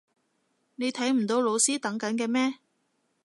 你睇唔到老師等緊嘅咩？